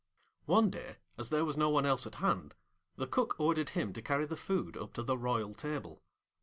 One day, as there was no one else at hand, the Cook ordered him to carry the food up to the royal table.